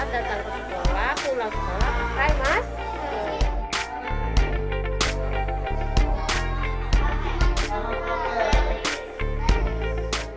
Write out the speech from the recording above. mereka bisa berubah menjadi apa yang mereka inginkan jika mereka mau berusaha